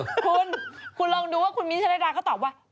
คุณคุณลองดูว่าคุณมิ้นท์ชะลายดาก็ตอบว่า